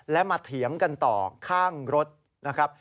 และมาเถียงกันต่อข้างรถนะครับ